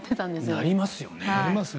なりますよね。